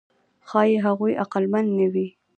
ښایي هغوی عقلمن نه وي.